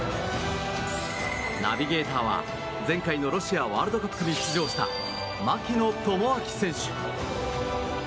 ナビゲーターは前回のロシアワールドカップに出場した槙野智章選手。